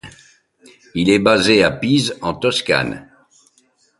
Il est basé à Pise, en Toscane.